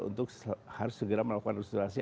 untuk harus segera melakukan resulasi